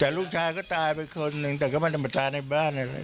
แต่ลูกชายก็ตายเป็นคนหนึ่งแต่ก็ไม่ต้องมาตายในบ้านเลย